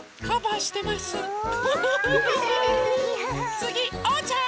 つぎおうちゃん！